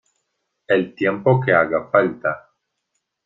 el tiempo que haga falta.